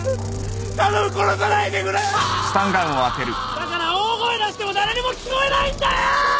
だから大声出しても誰にも聞こえないんだよ！